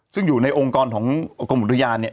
ซึ่งอยู่ในองค์กรของกรมอุทยานเนี่ย